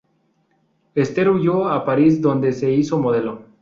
Esther huyó a París, donde se hizo modelo.